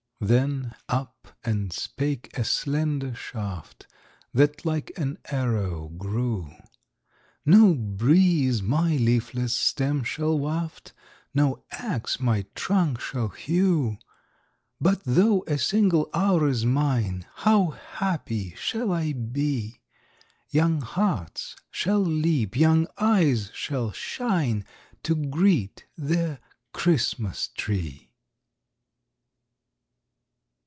Then up and spake a slender shaft, That like an arrow grew; "No breeze my leafless stem shall waft, No ax my trunk shall hew But though a single hour is mine, How happy shall I be! Young hearts shall leap, young eyes shall shine To greet their Christmas tree!"